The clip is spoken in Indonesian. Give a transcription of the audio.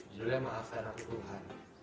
judulnya maafkan aku tuhan